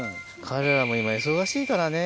彼らも今忙しいからね。